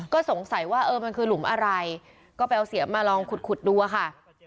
ก็สงสัยว่าเออมันคือหลุมอะไรก็ไปเอาเสียมมาลองขุดดูอะค่ะ